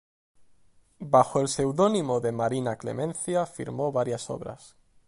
Bajo el pseudónimo de Marina Clemencia, firmó varias obras.